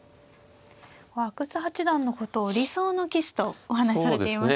阿久津八段のことを理想の棋士とお話しされていましたね。